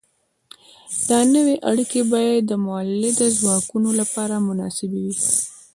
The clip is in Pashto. دا نوې اړیکې باید د مؤلده ځواکونو لپاره مناسبې وي.